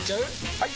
・はい！